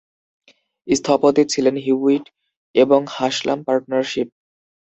স্থপতি ছিলেন হিউইট এবং হাসলাম পার্টনারশিপ।